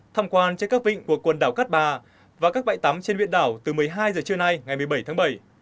tham quan trên các vịnh của quần đảo cát bà và các bãi tắm trên huyện đảo từ một mươi hai h trưa nay ngày một mươi bảy tháng bảy